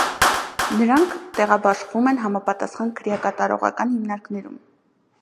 Նրանք տեղաբաշխվում են համապատասխան քրեակատարողական հիմնարկներում։